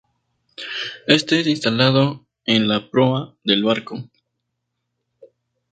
Éste es instalado en la proa del barco.